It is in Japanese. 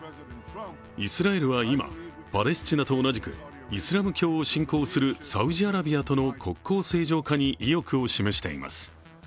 イスラエルは今、パレスチナと同じくイスラム教を信仰するサウジアラビアとの国交正常化に意欲を示しています。